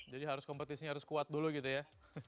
jadi harus kompetisinya harus kuat dulu gitu ya